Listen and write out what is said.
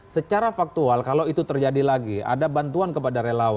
secara faktual kalau itu terjadi lagi ada bantuan kepada relawan